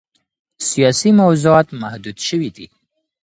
سیاسي موضوعات محدود شوي دي.